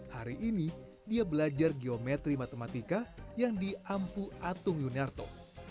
hari ini dia belajar geometri matematika yang diampu atung yunarto